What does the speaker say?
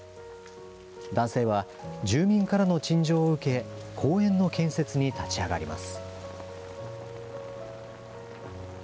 男性は住民からの陳情を受け、公園の建設に立ち上がります。